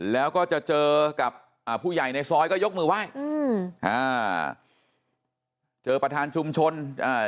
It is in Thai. แล้วก็จะเจอกับอ่าผู้ใหญ่ในซอยก็ยกมือไหว้อืมอ่าเจอประธานชุมชนอ่า